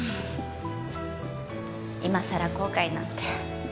いまさら後悔なんて